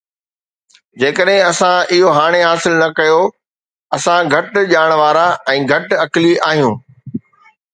جيڪڏهن اسان اهو هاڻي حاصل نه ڪيو، اسان گهٽ ڄاڻ وارا ۽ گهٽ عقلي آهيون